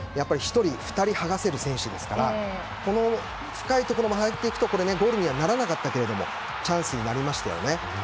１人、２人と剥がせる選手ですからこの深いところまで入っていくとこれはゴールにならなかったけどチャンスになりましたよね。